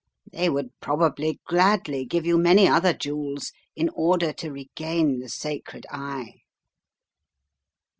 They would probably gladly give you many other jewels in order to regain the sacred Eye."